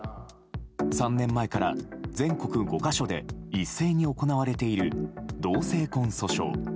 ３年前から全国５か所で一斉に行われている同性婚訴訟。